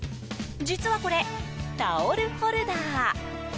実はこれ、タオルホルダー。